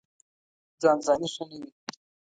ځان ځاني ښه نه وي.